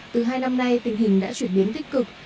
từ hai năm nay tình hình đã chuyển biến tích cực